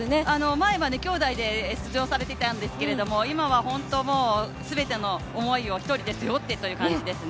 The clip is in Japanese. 前は兄弟で出場されていたんですけど、今はホントもう全ての思いを１人で背負ってという感じですね。